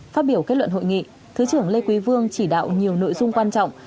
phát biểu kết luận hội nghị thứ trưởng lê quý vương chỉ đạo nhiều nội dung quan trọng